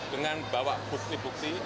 dengan bawa bukti bukti